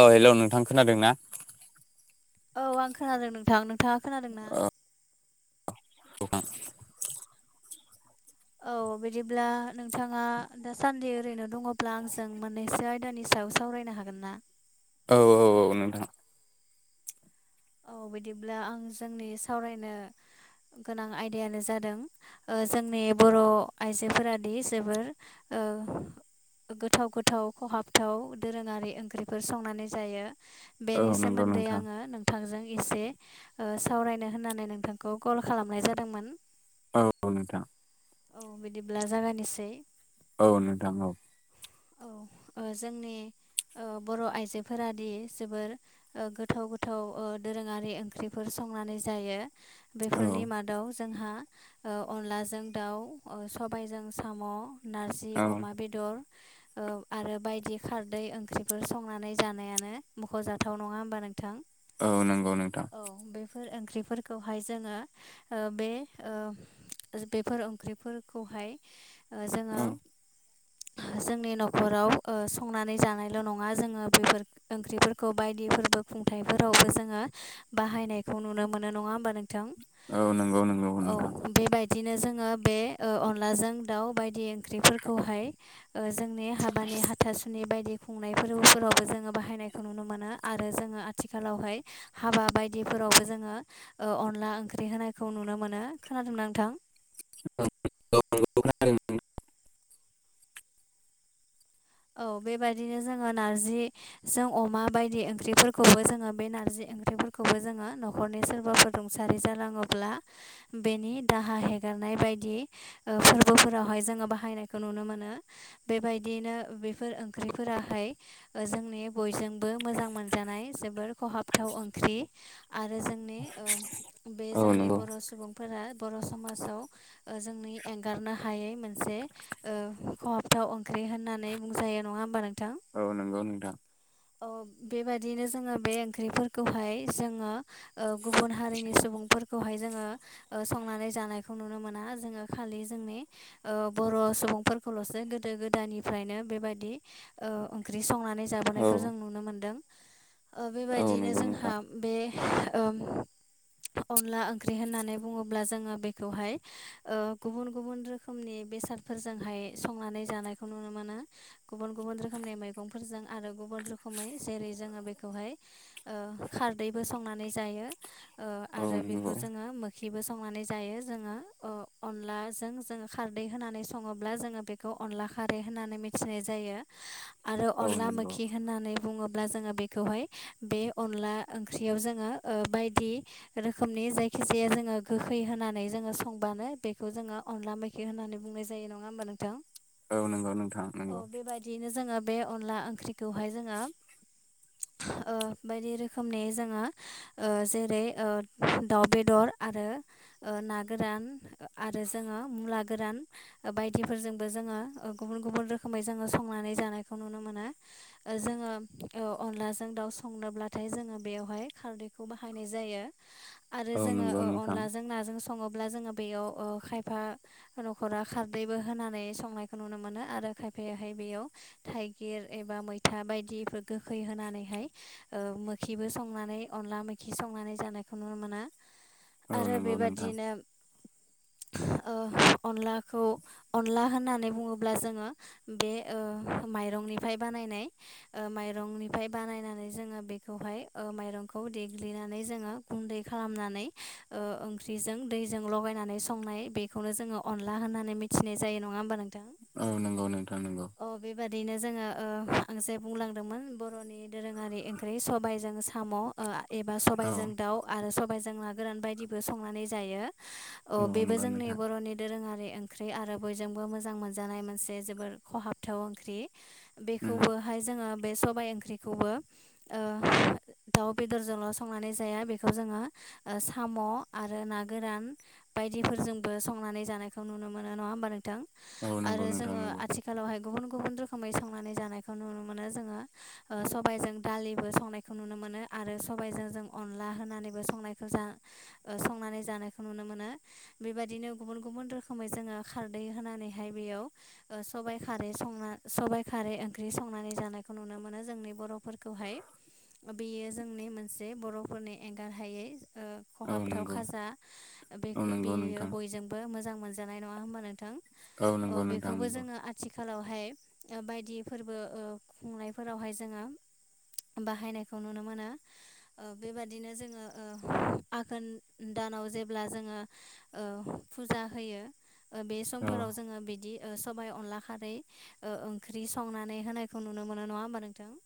औ हेल' नोंथां खोनादों ना? औ आं खोनादों नोंथां नोंथाङा खोनादों ना? दङ औ बिदिब्ला नोंथाङा दासान्दि ओरैनो दङब्ला आंजों मोननैसो आयदानि सायाव सावरायनो हागोन ना औ औ औ नोंथां औ बिदिब्ला आं जोंनि सावरायनो गोनां आयदायानो जादों ओ जोंनि बर' आइजोफोरादि जोबोर ओ गोथाव गोथाव खहाबथाव दोरोङारि ओंख्रिफोर संनानै जायो औ बेनि नंगौ सोमोन्दै नोंथां आङो नों जों एसे सावरायनो होननानै नोंथांखौ कल खालामनाय जादोंमोन औ नोंथां। निसै औ नोंथां औ औ ओ जोंनि ओ बर' आइजोफोरादि जोबोर ओ गोथाव-गोथाव ओ दोरोङारि ओंख्रिफोर संनानै जायो बेफोरनि मादाव जोंहा ओ अनलाजों दाउ ओ सबायजों साम' नारजि औ अमा बेदर ओ आरो बायदि खारदै ओंख्रिफोर संनानै जानायानो मख'जाथाव नङा होमबा नोंथां औ नंगौ नोंथां फोर ओंख्रिफोरखौहाय जोङो ओ बे ओ बेफोर ओंख्रिफोरखौहाय ओ जोङो औ जोंनि न'खराव ओ संनानै जानायल' नङा जोङो बेफोर ओंख्रिफोरखौ बायदि फोरबो खुंथयफोरावबो जोङो बाहायनायखौ नुनो मोनो नङा होमबा नों नोंथां औ नंगौ नंगौ नोंथां औ बेबादि बिदिनो जोङो बे ओ अनलाजों दाउ बायदि ओंख्रिफोरखौहाय ओ जोंनि हाबानि बे हाथासुनि बायदि खुंनायफोरावबो जोङो बाहायनायखौ नुनो मोनो आरो जोङो आथिखालावहाय हाबा बायदिफोरावबो जोङो अनला ओंख्रि होनायखौ नुनो मोनो खोनादों नोंथां? [unintelligible] औ बेबायदिनो जोङो नारजिजों अमा बायदि ओंख्रिफोरखौबो जोङो बे नारजि ओंख्रिफोरखौबो जोङो न'खरनि सोरबाफोर रुंसारि जालाङोब्ला बेनि दाहा हेगार एरनाय बायदि ओ फोरबोफोरावहाय जोङो बाहायनायखौ नुनो मोनो बेबायदिनो बेफोर ओंख्रिफोराहाय जोंनि बयजोंबो मोजां मोनजानाय जोबोर खहाबथाव अ' ओंख्रि आरो जोंनि ओ बे औ जोंनि नंगौ बर' सुबुं फोरा बर' समाजाव ओ जोंनि एंगारनो हायै मोनसे ओ खम गोथाव ओंख्रि होननानै बुंजायो नङा होमबा नोंथां। औ नंगौ नोंथां अ' बेबायदिनो जोङो बे ओंख्रिफोरखौहाय जोङो ओ गुबुन हारिनि सुबुं फोरहाय जोङो ओ संनानै जानायखौ नुनो मोना जोङो खालि जोंनि ओ बर' सुबुंफोरखौल'सो गोदो गोदायनिफ्रायनो बेबायदि ओ ओंख्रि संनानै जाबोनायखौ जों औ नुनो मोनदों। ओ औ बेबायदिनो नंगौ जोंहा नोंथां बे ओ अनला ओंख्रि होननानै बुङोब्ला जोङो बेखौहाय ओ गुबुन गुबुन रोखोमनि बेसादफोरजोंहाय संनानै जानायखौ नुनो मोनो। गुबुन गुबुन रोखोमनि मैगंफोरजों आरो गुबुन रोखोमै जेरै जोङो बेखौहाय ओ खारदैबो संनानै जायो ओ औ आरो बेखौ नंगौ जोङो मोखिबो संनानै जायो जोङो अ अनलाजों जोङो खारदै होनानै सङोब्ला जोङो बेखौ अनला खारै होननानै मि फिसिनाय जायो आरो औ अनला नंगौ मोखि होननानै बुङोब्ला ल्बा जोङो बेखौहाय बे अनला ओंख्रियाव जोङो ओ बायदि रोखोमनि जाय जायखि जाया जोङो गोखै होनानै जोङो संबानो बेखौ जोङो अनला मैखे होननानै बुंनाय जायो नङा होमबा नोंथां औ नंगौ नोंथां औ नंगौ बेबायदियैनो जोङो बे अनला ओंख्रिखौहाय जोङो ओ बायदि रोखोमनि जोङो ओ जेरै ओ दाउ बेदर आरो ओ ना गोरान आरो जोङो मुला गोरान बायदिफोरजोंबो जोङो ओ गुबुन गुबुन रोख रोखोमै जोङो संनानै जानायखौ नुनो मोनो ओ जोङो अ' अनलाजों दाउ संनोब्लाथाय जोङो बेवहाय खारदैखौ बाहायनाय जायो आरो औ जोङो नंगौ अ' नोंथां अनलाजों नाजों सङो अब्ला जोङो बेयाव खायफा न'खरा खारदैबो होनानै संनायखौ नुनो मोनो आरो खाय ओमफ्रायहाय बेयाव थाइगिर एबा मैथा बायदिफोर गोखै होनानैहाय ओ खिबो संनानै अनदला मैखि संनानै जानायखौ नुनो मोनो। औ आरो नंगौ नोंथां बेबादिनो ओ अनलाखौ अनला होननानै बुङोब्ला जोङो। बे ओ माइरंनिफ्राय बानायनाय ओ माइरंनिफ्राय बानायनानै जोङो बे ओमफ्राय मायरंखौ देग्लिनानै जोंङो गुन्दै खालामनानै ओ ओंख्रिजों दै दैजों लगायनानै संनाय बेखौनो जोङो अनला होननानै मिथिनाय जायो नङा होमबा नोंथां औ नंगौ नोंथां नंगौ बिदिनो जोङो ओ इसे बुंलांदोंमोन बर'नि दोरोङारि ओंख्रि सबायजों साम'। एबा औ सबायजों दाउ आरो सबायाइजों ना गोरान बायदिबो संनानै जायो अ औ बेबो नंगौ जोंनि नोंथां बर'नि दोरोङारि ओंख्रि आरो बयजोंबो मोजां मोनजानाय मोनसे जोब जोबोर ख'हाबथाव ओंख्रि उम बेखौबोहाय जोङो बे सबाय ओंख्रिखौबो ओ दाउ बेदरजोंल' संनानै जाया बेखौ जोङो ओ साम' आरो ना गोरान बायदिफोरजोंबो संनानै जानायखौ नुनो मोनो नङा होमबा नोंथां। औ नंगौ नोंथां नंगौ आालावहाय गुबुन गुबुन रोखोमै संनानै जानायखौ नुनो मोनो जोङो सबायजों दालिबो संनायखौ खौ नुनो मोनो आरो सबायजों जों अनला होनानैबो संनायखौ जा संनानै जानायखौ नुनो मोनो मोनो बेबायदिनो गुबुन गुबुन रोखोमै जोङो खारदै होनानैहाय बेयाव सबाइ खारै संना सबाइ खारै ओंख्रि संनानै जानायखौ नुनो मोनो जोंनि बर'फोरखौहाय बेयो जोंनि मोनसे बर'फोरनि एंगारहायै औ खहाबथाव नंगौ खाजा बे औ नंगौ बेयो नोंथां बयजोंबो मोजां मोनजानाय नङा होमबा नोंथां औ नंगौ नोंथां खौबो नंगौ जोङो आथिखालावहाय ओ बायदि फोरबो ओ खुंनायफोरावहाय जोङो बाहायनायखौ नुनो मोनो ओ बेबादिनो जोङो ओ आघोन दान दानाव जेब्ला जोङो ओ फुजा होयो ओ बे औ समफोराव जोङो बिदि ओ सबाइ अनला खारै ओंख्रि ओ संनानै होनायखौ नुनो मोनो नङा होमबा नोंथां। [inaudible]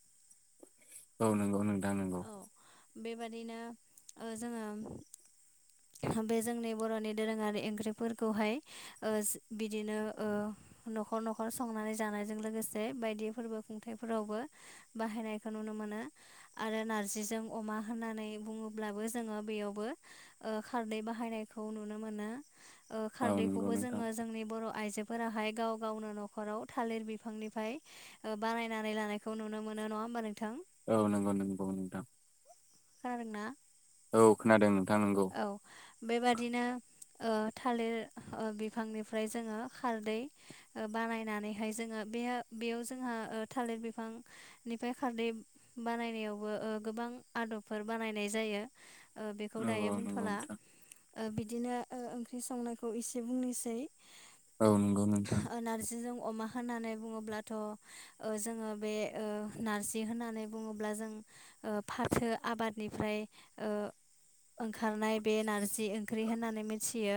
औ नंगौ नोंथां नंगौ औ बेबादिनो ओ जोङो बे जोंनि बर'नि दोरोङारि ओंख्रिफोरखौहाय ओ बिदिनो ओ न'खर न'खर संनानै जानायजों लोगोसे बायदि फोरबो खुंथायाइफोरावबो बाहायनायखौ नु नुनो मोनो आरो नारजिजों अमा होननानै बुङोब्लाबो जोङो बेयावबो ओ खारदै बाहायनाय खौ नुनो मोनो ओ औ नंगौ खारदैखौबो नोंथां जोङो जोंनि बर' आइजोफोराहाय गाव गावनो न'खराव थालिर बिफांनिफ्राय ओ बानायनानै लानायखौ नुनो मोनो। नङा होमबा नोंथां औ नंगौ नोंगौ नोंथां खोनादोंना? औ खोनादों नोंथां नंगौ औ बेबादिनो ओ थालिर ओ बिफांनिफ्राय जोङो खारदै ओ बानायनानैहाय जोङो। बे बेयाव जोंहा ओ थालिर बिफांनिफ्राय खारदै बानायनायावबो ओ गोबां आदबफोर बानायनाय जायो बेखौ औ दायो औ नंगौ बुंथ'ला नोंथां बिदिनो ओंख्रि संनायखौ एसे बुंनोसै औ नंगौ नोंथां ओ नारजिजों अमा होननानै बुङोब्लाथ ओ जोङो बे ओ नारजि होननानै बुङोब्ला जों ओ फाथो आबादनिफ्राय ओ ओंखारनाय बे नारजि ओंख्रि होननानै मिथियो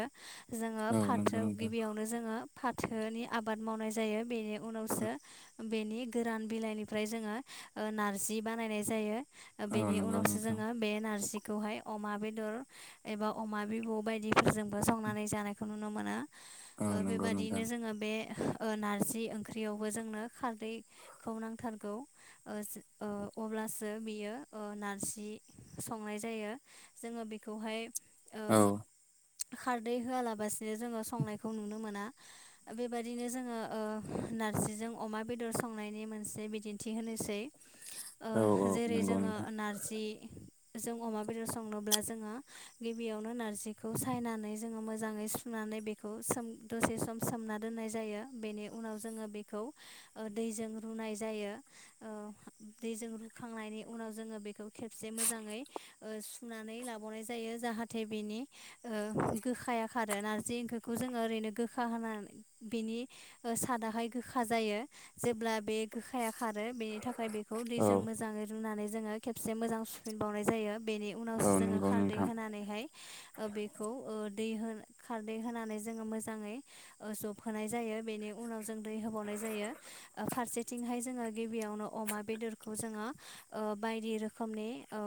जोङो औ फाथो नंगौ नोंथां गिबियावनो जोङो फाथोनि आबाद मावनाय जायो बेनि उनावसो बेनि गोरान बिलाइनिफ्राय जोङो ओ नारजि बानायनाय जायो। औ बेनि नंगौ उनावसो नोंथां जोङो बे नारजिखौहाय अमा बेद बेदर एबा अमा बिबौ बायदिफोरजोंबो संनानै जानायखौ नुनो मोनो। औ नंगौ नोंथां बेबादियैनो जोङो बे नारजि ओंख्रियावबो जोंनो खारदैखौ नांथारगौ। अब्लासो बियो ओ नारजि संनाय जायो। जोङो बेखौहाय ओ औ खारदै होआलाबसिनो जोङो संनायखौ नुनो मोना बेबादिनो जोङो ओ। नारजिजों अमा बेदर संनायनि मोनसे बिदिन्थि होनोसै। ओ औ औ जेरै नंगौ जोङो नोंथां नारजि जों अमा बेदर संनोब्ला जोङो गिबियावनो नारजिखौ सायनानै जोङो मोजाङै सुनानै बेखौ सोम दसे सम सोमना दोननाय जायो बेनि उनाव जोङो बेखौ ओ दैजों रुनाय जायो। ओ दैजों रुखांनायनि उनाव जोङो बेखौ खेबसे मोजाङै ओ नानै लाबावनाय जायो जाहाथे बेनि गोखाया खारो नारजि ओंख्रिखौ जोै गोखा होन बेनि ओ सादाहाय गोखा जायो जेब्ला बे खाया खारो बेनि थाखाय बेखौ औ दैजों मोजाङै रुनानै जोङो खेबसे मोजां सुफिनबावनाय जायो बेनि उनावसो औ जोङो नंगौ खारदै नोंथां होनानैहाय ओ बेखौ दै खारदै होनानै जोङो मोजाङै जबहोनाय जायो। बेनि उनाव जों दै होबावनाय जायो फारसेथिंहाय जोङो गिबियावनो अमा बेदरखौ जों हा ओ बायदि रोखोमनि ओ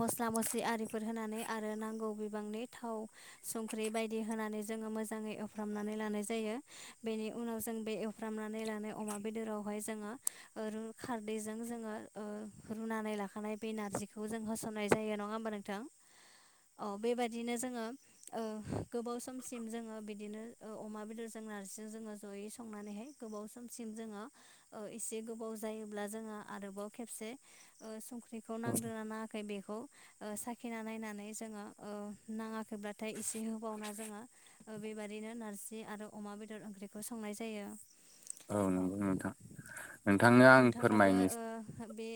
मस्ला मस्लि आरिफोर होनानै आरो नांगौ बिबांनि थाव संख्रि बायदि होनानै जोङो मोजाङै एवफ्रामनानै लानाय जायो बेनि उनाव जों बे एवफ्रामनानै लानाय अमा बेदराव ओमफ्राय जोंङो खारदैजों जोंङो रुनानै लाखानाय बै नारजिखौ खौ जों होसननाय जायो नङा होमबा नोंथां औ बेबायाददिनो जोङो ओ गोबाव समसिम जोङो बिदिनो ओ अमा बेदर जा। नरजिजों जोङो जयै संनानै हाया गोबाव समसिम जोङो एसे गोबाव जायोब्ला जोङो आरोबाव खेबसे ओ संख्रिखै नां जाहाथे बेखौ साखिनानै नायनानै जोङो नाङै एसे होबावना जो बेबादिनो नारजि आरो अमा बेदर ओंख्रिखौ संनाय जायो। औ नंगौ नोंथां। नोंथांनो आं नोंथाङाबो फोरमायनोसै बे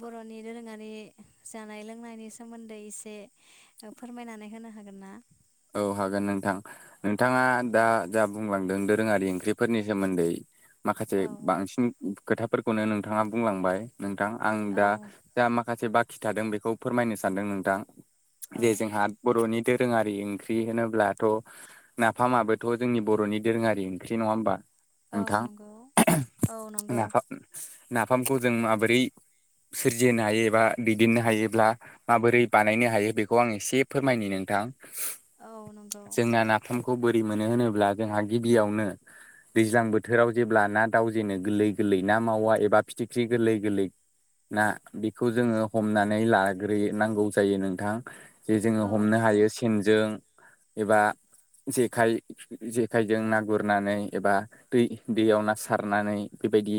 बर'नि धोरोमारि मानि जानाय लोंनायनि सोमोन्दै एसे फोरमायनानै होनो हागोन ना? औ हागोन नोंथां नोंथाङा औ दा जा बुंलांदों दोरोङारि ओंख्रिफोरनि सोमोन्दै माखासे औ बांसिन खोथाफोरखौनो नोंथाङा बुंलांबाय नोंथां आं दा औ जा माखासे बाखि थादों बेखौ फोरमायनो सानदों नोंथां। जे औ जोंहा बरनि दोरोङारि ओं ओंख्रि होनोब्लाथ' नाफामाबोथ' जोंनि बर'नि दोरोङारि ओंख्रि नङा होमबा? औ नोंथां नंगौ औ नंगौ नाफाम नाफामखौ जों माबोरै सोरजिनो हायो एबा दैदेननो हायोब्ला माबोरै बानायनो हायो बेखौ आं एसे फोरमायनो नों औ नंगौ जोंना नाफाम खौ बोरै मोनो होनोब्ला जोंहा गिबियावनो दैज्लां बोथोराव जेब्ला ना दावउ जेनो गोरलै गोरलै गोरलै ना मावा एबा फिथिख्रि गोरलै गोरलै ना बेखौ जोङो हमनानै लाग्रोनांगौ जायो नोंथां जे जोङो औ हमनो नंगौ हायो सेनजों एबा जेखाय जेखायजों ना गुरनानै एबा दै दैयाव ना सारनानै बेबायदि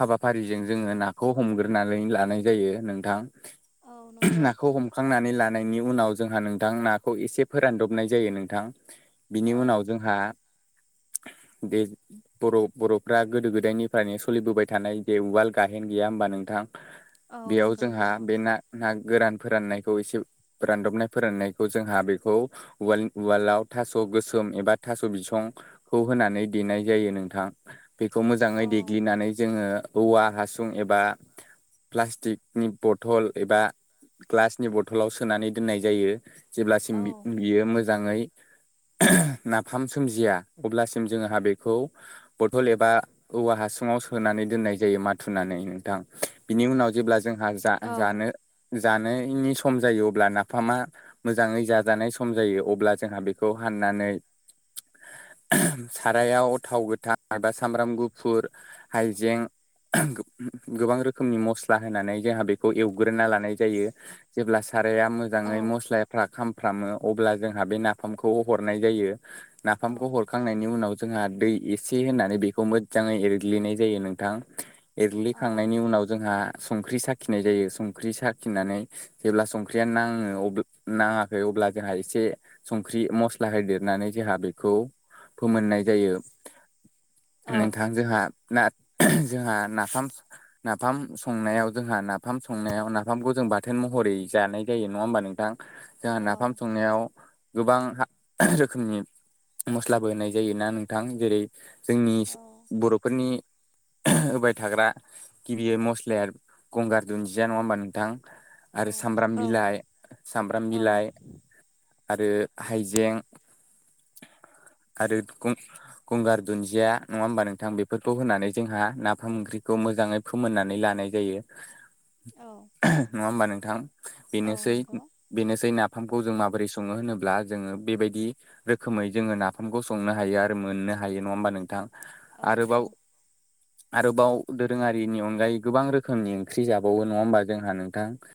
हाबाफारिजों जोङो नाखौ हमग्रोनानै लानाय जायो नोंथां। औ नंगौ नाखौ हमखांनानै लानायनि उनाव जोंहा नोंथां। नाखौ एसे फोरानदब नाय जायो नोंथां बिनि औ उनाव जोंहा दे बर बरफ्रा गोदो गोदायनिफ्रायनो सोलिबोबाय थानाय जे उवाल गाहेन गैया होनबा नोंथां औ बेयाव नंगौ जोंहा दङ बे ना ना गोरान फोराननायखौ एसे रानदबनाय फोराननायखौ जोंहा बेखौ उवाल उवालाव थास' गोसोम एबा थास बिसंखौ होनानै देनाय जायो नोंथां। बेखौ औ मोजाङै देग्लिनानै जोङो औवा हासुं एबा प्लास्टिकनि बथल एबा ग्लासनि बथलाव सोनानै दोननाय जायो। औ जेब्लासिम बि मि मोजाङै नाफाम सोमजिया अब्लासिम जोंहा बेखौ बथल एबा औवा हासु सचङाव सोनानै दोननाय जायो माथुनानै नोंथां। बिनि उनाव जेब्ला जोंहा जा औ जानो जानायनि सम जायो अब्ला नाफामा मोजाङै जाजानाय सम जायो अब्ला जोंहा बेखौ हाननानै सारायाव थाव गोथां एबा सामब्राम गुफुर हायजें गोब गोबां रोखोमनि मस्ला होनानै जोंहा बेखौ एवग्रोना लानाय जायो जेब्ला साराया औ मोजाङै मस्लाफ्रा खामफ्रामो अब्ला जोंहा बे नाफामखौ हरनाय जायो। औ नाफामखौ हरखांनायनि उनाव जोंहा दै एसे होननानै बेखौ मोजाङै एरग्लिनाय जायो नोंथां। एरलिखांनायनि उनाव जोंहा। संख्रि साखिनाय जायो। संख्रि साखिनानै जेब्ला संख्रिया नाङो अब नाङाखै अब्ला। जोंहा एसे संख्रि मस्ला हो देरनानै जोंहा बेखौ फोमोननाय जायो। औ नोंथां जोंहा ना जोंहा नाफाम नाफाम संनायाव जोंहा नाफाम संनायाव नाफामखौ जों बाथोन महरै जानाय जायो नङा होनबा नोंथां? जोंहा नाफाम संनायाव गोबां हा रोखोमनि मस्लाबो होनाय जायोना नोंथां। जेरै जोंनि बर'फोरनि होबाय थाग्रा गिबियै मस्लाया गंगार दुन्दिया नङा होमबा नोंथां। आरो सामब्राम औ औ बिलाइ सामब्राम बिलाइ आरो हाइजें [inaudible] आरो गं-गंगार दुन्दिया नङा होमबा नोंथां। बेफोरखौ होनानै जोंहा नाफाम ओंख्रिखौ मोजाङै फोमोननानै लानाय जायो औ नङा होमबा नोंथां। औ बेनोसै नंगौ बेनोसै नाफाम जों माबोरै सङो होनोब्ला जोङो बेबायदि रोखोमै जोङो नाफामखौ संनो हायो आरो मोननो हायो। नङा होमबा नोंथां। औ आरोबाव औ। आरोबाव दोरोङारिनि अनगायै गोबां रोखोमनि ओंख्रि जाबावो नङा होमबा जोंहा नोंथां।